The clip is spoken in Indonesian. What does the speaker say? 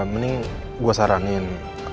mending gue saranin